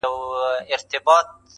خو بڼه يې بدله سوې ده,